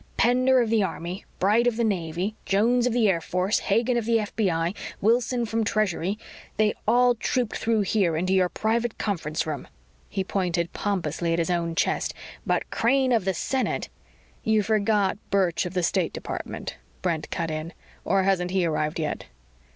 "Pender of the Army, Bright of the Navy, Jones of the Air Force, Hagen of the FBI, Wilson from Treasury they all trooped through here into your private conference room." He pointed pompously at his own chest. "But Crane of the Senate " "You forgot Birch of the State Department," Brent cut in. "Or hasn't he arrived yet?"